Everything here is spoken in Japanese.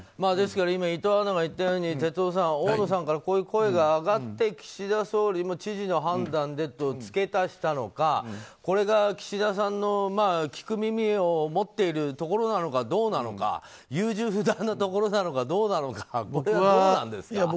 ですから今、伊藤アナが言ったように、大野さんからこういう声が上がって岸田総理も知事の判断でと付け足したのかこれが岸田さんの聞く耳を持っているところなのかどうなのか優柔不断なところなのかどうなのか、どうなんですか。